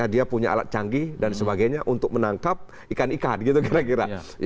dia punya alat canggih dan sebagainya untuk menangkap ikan ikan gitu kira kira